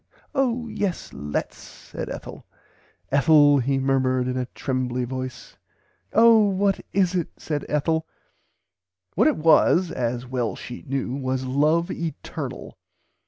Oh yes lets said Ethel." "Ethel he murmered in a trembly voice. [Pg xv] Oh what is it said Ethel." What it was (as well she knew) was love eternal.